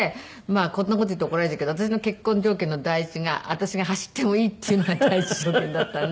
こんな事言うと怒られちゃうけど私の結婚条件の第一が私が走ってもいいっていうのが第一条件だったんで。